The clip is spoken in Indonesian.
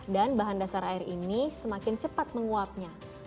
dan bahan dasar air ini semakin cepat menguapnya